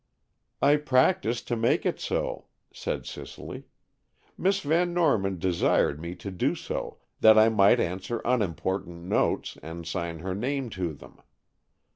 "I practised to make it so," said Cicely. "Miss Van Norman desired me to do so, that I might answer unimportant notes and sign her name to them.